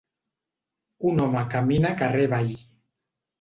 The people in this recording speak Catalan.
Un home camina carrer avall.